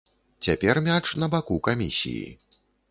Цяпер мяч на баку камісіі.